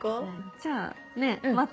じゃあねぇまた。